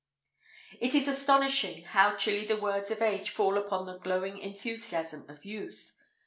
It is astonishing how chilly the words of age fall upon the glowing enthusiasm of youth.